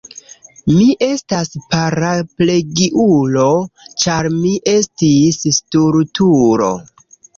Mi estas paraplegiulo, ĉar mi estis stultulo.